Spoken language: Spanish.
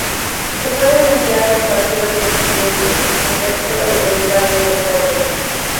Se puede mezclar con cualquier otro pigmento, excepto los derivados del cobre.